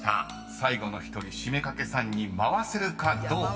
［最後の１人七五三掛さんに回せるかどうか］